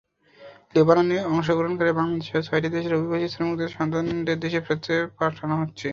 লেবাননে জন্মগ্রহণকারী বাংলাদেশসহ ছয়টি দেশের অভিবাসী শ্রমিকদের সন্তানদের দেশে ফেরত পাঠানো হচ্ছে।